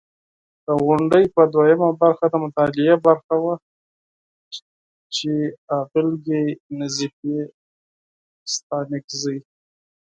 د غونډې په دوهمه برخه، د مطالعې برخه وه چې اغلې نظیفې ستانکزۍ